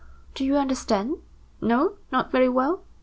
Do you understand? No, not very well.